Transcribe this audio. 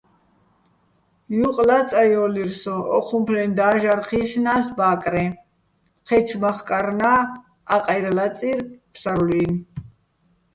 ჲუყ ლაწაჲო́ლირ სოჼ, ო́ჴუმფლეჼ და́ჟარ ჴი́ჰ̦ნას ბა́კრეჼ; ჴე́ჩო̆ მახკარნა́ აყაჲრი̆ ლაწირ ფსარლუჲნი̆.